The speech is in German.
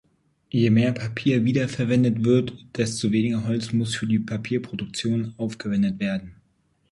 Je mehr Papier wiederverwertet wird, desto weniger Holz muss für die Papierproduktion aufgewendet werden.